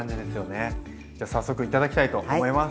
じゃ早速頂きたいと思います。